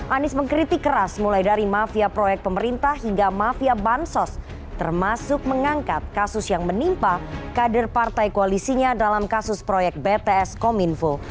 anies mengkritik keras mulai dari mafia proyek pemerintah hingga mafia bansos termasuk mengangkat kasus yang menimpa kader partai koalisinya dalam kasus proyek bts kominfo